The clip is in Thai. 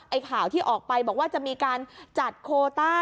ข่าวที่ออกไปบอกว่าจะมีการจัดโคต้า